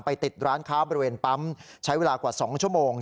ติดร้านค้าบริเวณปั๊มใช้เวลากว่า๒ชั่วโมง